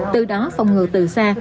từ đó phòng ngừa từ xa